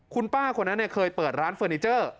คุณป้าคนนั้นเคยเปิดร้านเฟอร์นิเจอร์